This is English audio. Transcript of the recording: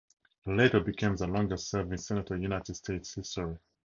He later became the longest-serving senator in United States history.